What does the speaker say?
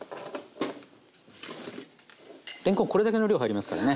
れんこんこれだけの量入りますからね。